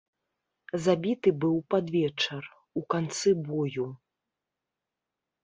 Забіты быў пад вечар, у канцы бою.